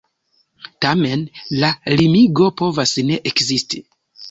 Tamen, la limigo povas ne ekzisti.